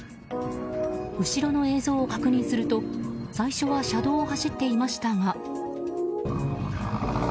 後ろの映像を確認すると最初は車道を走っていましたが。